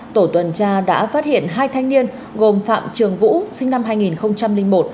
tổ tuần tra đã phát hiện hai thanh niên gồm phạm trường vũ sinh năm hai nghìn một